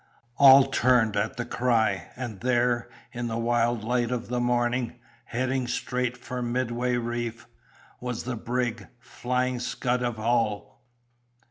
All turned at the cry, and there, in the wild light of the morning, heading straight for Midway Reef, was the brig Flying Scud of Hull.